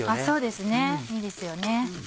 そうですねいいですよね。